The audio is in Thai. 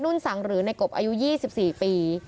นุ่นสังหรือในกบอายุ๒๔ปี